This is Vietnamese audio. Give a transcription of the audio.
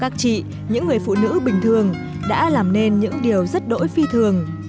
các chị những người phụ nữ bình thường đã làm nên những điều rất đỗi phi thường